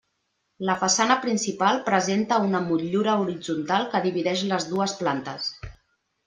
La façana principal presenta una motllura horitzontal que divideix les dues plantes.